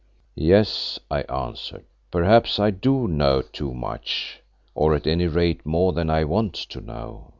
"Yes," I answered, "perhaps I do know too much, or at any rate more than I want to know.